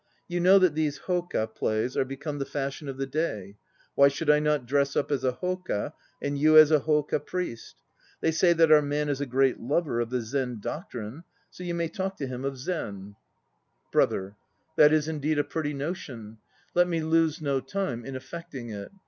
You know that these hdka plays 1 are become the fashion of the day. Why should not I dress up as a hdka and you as a hdka priest? They say that our man is a great lover of the Zen doctrine; so you may talk to him of Zen. THE H0KA PRIESTS 167 BROTHER. That is indeed a pretty notion; let me lose no time in effecting it.